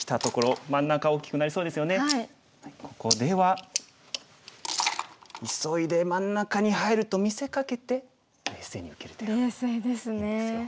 ここでは急いで真ん中に入ると見せかけて冷静に受ける手がいいんですよ。